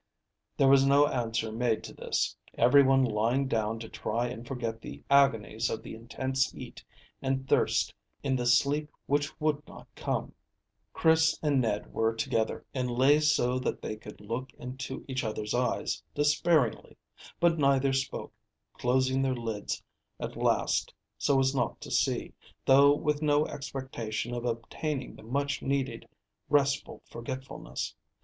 There was no answer made to this, every one lying down to try and forget the agonies of the intense heat and thirst in the sleep which would not come. Chris and Ned were together, and lay so that they could look into each other's eyes despairingly; but neither spoke, closing their lids at last so as not to see, though with no expectation of obtaining the much needed restful forgetfulness.